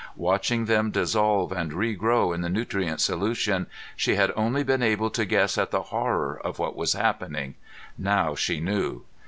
Watching them dissolve and regrow in the nutrient solution, she had only been able to guess at the horror of what was happening. Now she knew.